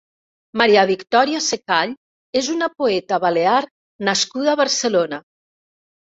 Maria Victòria Secall és una poeta balear nascuda a Barcelona.